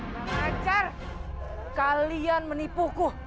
tak ajar kalian menipuku